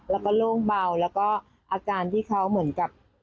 แล้วก็โล่งเบาแล้วก็อาการที่เขาเหมือนกับ